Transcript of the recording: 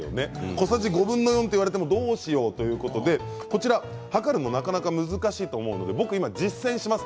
小さじ５分の４と言われてもどうしよう！ということでこちら量るのがなかなか難しいと思うので実践してみます。